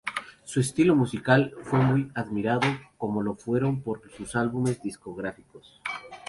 Su estilo musical fue muy admirado como lo fueron por sus álbumes discográficos.